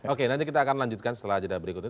oke nanti kita akan melanjutkan setelah jeda berikutnya